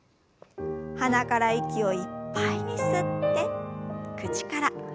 鼻から息をいっぱいに吸って口から吐きましょう。